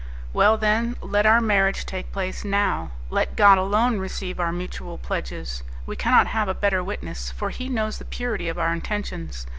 "Well, then, let our marriage take place now. Let God alone receive our mutual pledges; we cannot have a better witness, for He knows the purity of our intentions.